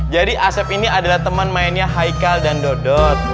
jadi asep ini adalah temen mainnya haikal dan dodot